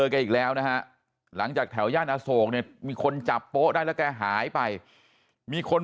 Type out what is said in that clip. แกอีกแล้วนะฮะหลังจากแถวย่านอโศกเนี่ยมีคนจับโป๊ะได้แล้วแกหายไปมีคน